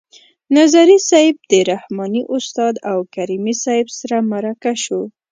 نظري صیب د رحماني استاد او کریمي صیب سره مرکه شو.